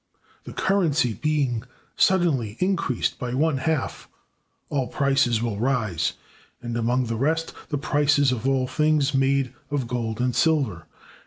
The currency being suddenly increased by one half, all prices will rise, and, among the rest, the prices of all things made of gold and silver.